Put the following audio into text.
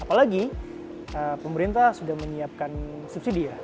apalagi pemerintah sudah menyiapkan subsidi ya